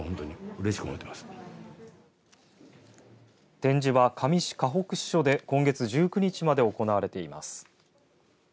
展示は香美市香北支所で今月１９日まで行われています。